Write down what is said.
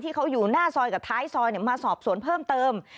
เขาอยู่หน้าซอยกับท้ายซอยมาสอบสวนเพิ่มเติม